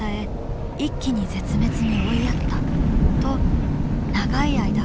一気に絶滅に追いやったと長い間考えられてきた。